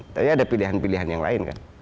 tapi ada pilihan pilihan yang lain kan